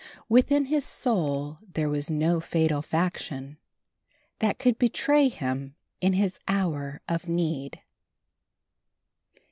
Within his soul there was no fatal faction That could betray him in his hour of need.